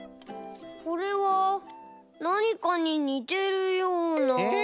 これはなにかににてるような。え！？